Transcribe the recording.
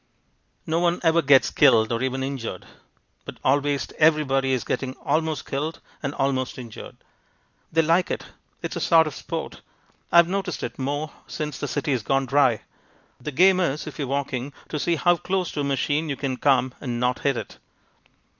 No one ever gets killed or even injured. But always everybody is getting almost killed and almost injured. They like it. It's a sort of sport. I've noticed it more since the city's gone dry. The game is, if you are walking, to see how close to a machine you can come and not hit it.